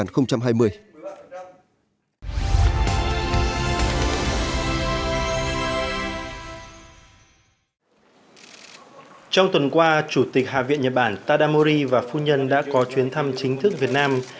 trong tuần qua chủ tịch hạ viện nhật bản tadamori và phu nhân đã có chuyến thăm chính thức việt nam